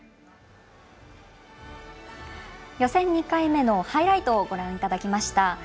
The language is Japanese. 予選２回目のハイライトをご覧いただきました。